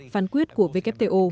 phán quyết của wto